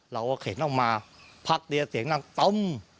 เราก็เข็นออกมาพักเดียวเสียงดังตึ้ม